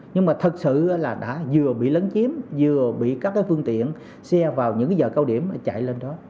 nhưng mà thật sự là đã vừa bị lấn chiếm vừa bị các phương tiện xe vào những giờ cao điểm chạy lên đó